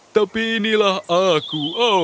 tapi inilah aku